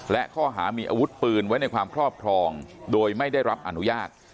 และข้อหามีอาวุธปืนไว้ในความครอบครองโดยไม่ได้รับอนุญาต